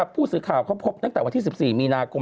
ผู้สื่อข่าวเขาพบตั้งแต่วันที่๑๔มีนาคม